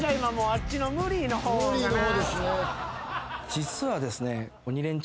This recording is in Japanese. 実はですね。